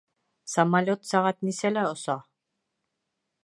Самолет сәғәт нисәлә оса?